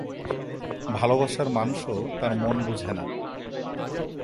ভালোবাসার মানুষও তার মন বুঝে না।